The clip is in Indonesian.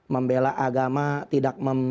membela agama tidak membela kepala